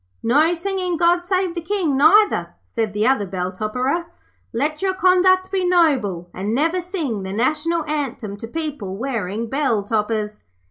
"' 'No singing "God save the King", neither,' said the other bell topperer. 'Let your conduct be noble, and never sing the National Anthem to people wearing bell toppers.'